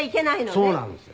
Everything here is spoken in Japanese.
そうなんですよ。